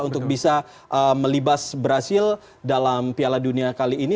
untuk bisa melibas brazil dalam piala dunia kali ini